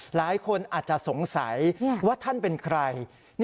หลายคนอาจจะสงสัยว่าท่านเป็นใคร